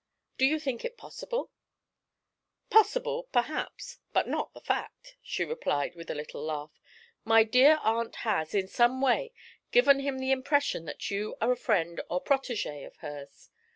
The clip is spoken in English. Do you think it possible?' 'Possible, perhaps, but not the fact,' she replied, with a little laugh. 'My dear aunt has, in some way, given him the impression that you are a friend or protégé of hers.